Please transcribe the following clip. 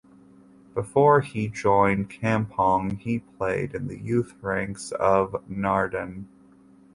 Before he joined Kampong he played in the youth ranks of Naarden.